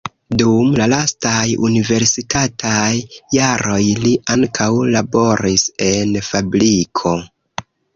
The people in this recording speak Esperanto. Dum la lastaj universitataj jaroj li ankaŭ laboris en fabriko.